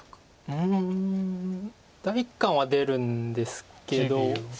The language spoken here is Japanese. うん第一感は出るんですけど。